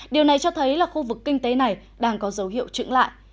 điều này cho thấy là khu vực kinh tế này đang có dấu hiệu trưởng lại